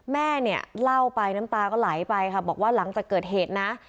แม่เนี่ยเล่าไปน้ำตาก็ไหลไปค่ะบอกว่าหลังจากเกิดเหตุนะ